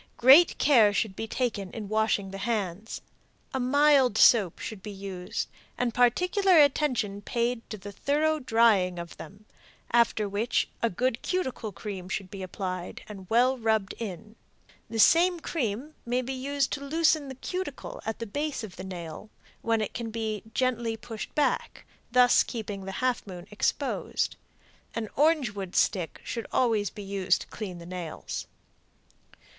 Great care should be taken in washing the hands. A mild soap should be used, and particular attention paid to the thorough drying of them, after which a good cuticle cream should be applied and well rubbed in. The same cream may be used to loosen the cuticle at the base of the nail, when it can be gently pushed back, thus keeping the half moon exposed. An orange wood stick should always be used to clean the nails.